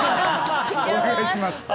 お願いします。